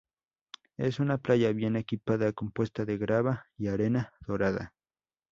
Es una playa bien equipada compuesta de grava y arena dorada.